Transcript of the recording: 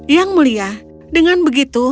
yang mulia dengan begitu